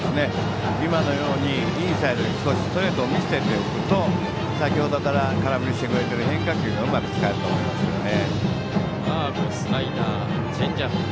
今のようにインサイドにストレートを見せてくれると、先程から空振りしてくれている変化球がうまく使えると思いますね。